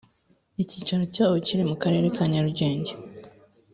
icyicaro cyawo kiri mu karere ka nyarugenge.